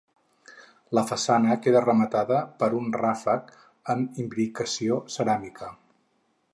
La façana queda rematada per un ràfec amb imbricació ceràmica.